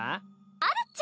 あるっちゃ。